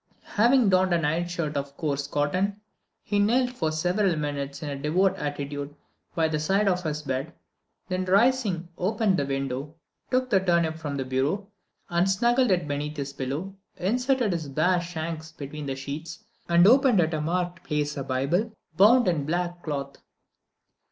Having donned a nightshirt of coarse cotton, he knelt for several minutes in a devout attitude by the side of his bed, then rising opened the window, took the turnip from the bureau, and snuggled it beneath his pillow, inserted his bare shanks between the sheets, and opened at a marked place a Bible bound in black cloth.